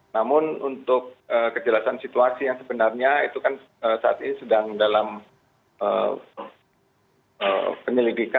namun untuk kejelasan situasi yang sebenarnya itu kan saat ini sedang dalam penyelidikan